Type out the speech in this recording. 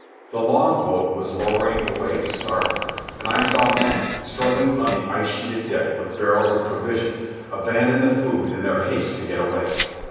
The longboat was lowering away to larboard, and I saw men, struggling on the ice sheeted deck with barrels of provisions, abandon the food in their haste to get away.